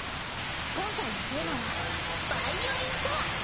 今回のテーマは「ヴァイオリンとは？」。